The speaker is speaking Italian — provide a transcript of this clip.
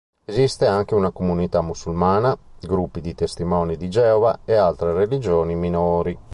Esiste anche una comunità musulmana, gruppi di testimoni di Geova e altre religioni minori.